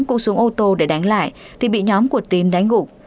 cũng xuống ô tô để đánh lại thì bị nhóm của tín đánh gục